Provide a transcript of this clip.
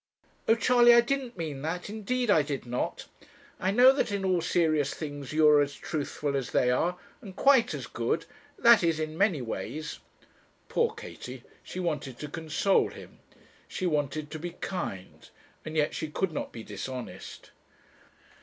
'Oh, Charley, I didn't mean that; indeed I did not. I know that in all serious things you are as truthful as they are and quite as good that is, in many ways.' Poor Katie! she wanted to console him, she wanted to be kind, and yet she could not be dishonest.